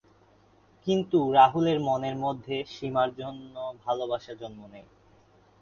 কিন্তু রাহুলের মনের মধ্যে সীমার জন্য ভালোবাসা জন্ম নেয়।